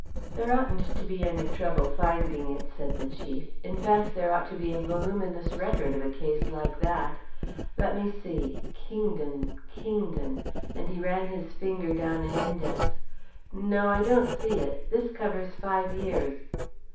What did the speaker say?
"There oughtn't to be any trouble finding it," said the chief. "In fact, there ought to be a voluminous record of a case like that. Let me see Kingdon Kingdon," and he ran his finger down an index. "No, I don't see it this covers five years."